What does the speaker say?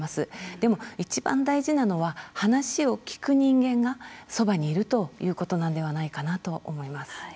でも、一番大事なのは話を聞く人間がそばにいるということなんではないかと思います。